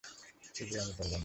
তবুও আমি করব না।